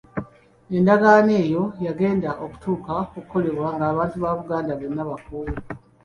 Endagaano eyo yagenda okutuuka okukolebwa ng'abantu ba Buganda bonna bakoowu.